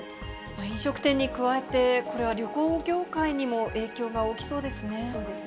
飲食店に加えて、これは旅行業界にも影響が大きそうですね。